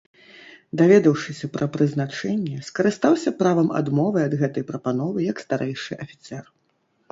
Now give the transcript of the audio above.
Даведаўшыся пра прызначэнне, скарыстаўся правам адмовы ад гэтай прапановы як старэйшы афіцэр.